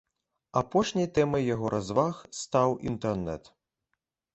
Апошняй тэмай яго разваг стаў інтэрнэт.